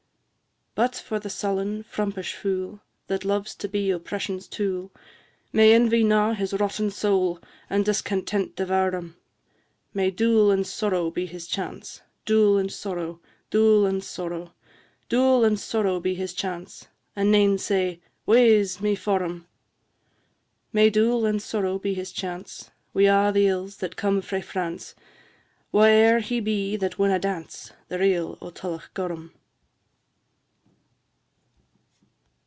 VI. But for the sullen, frumpish fool, That loves to be oppression's tool, May envy gnaw his rotten soul, And discontent devour him; May dool and sorrow be his chance, Dool and sorrow, dool and sorrow, Dool and sorrow be his chance, And nane say, Wae 's me for him! May dool and sorrow be his chance, Wi' a' the ills that come frae France, Wha e'er he be that winna dance The Reel o' Tullochgorum.